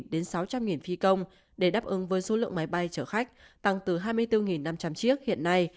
đến sáu trăm linh phi công để đáp ứng với số lượng máy bay chở khách tăng từ hai mươi bốn năm trăm linh chiếc hiện nay